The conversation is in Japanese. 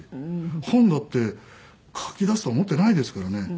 本だって書きだすと思ってないですからね。